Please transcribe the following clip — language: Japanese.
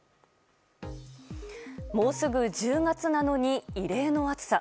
もうすぐ１０月なのに異例の暑さ。